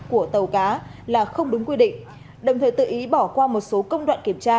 của tàu cá là không đúng quy định đồng thời tự ý bỏ qua một số công đoạn kiểm tra